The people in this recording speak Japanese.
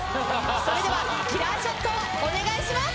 それではキラーショットをお願いします！